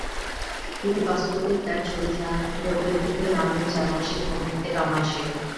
দুটি পাসপোর্টেই তাঁর ছবি থাকলেও একটিতে নাম জামাল শেখ, অন্যটিতে কামাল শেখ।